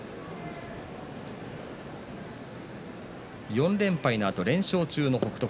４連敗のあと５連勝中の北勝